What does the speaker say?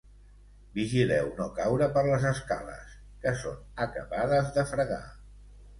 Vigileu no caure per les escales, que són acabades de fregar.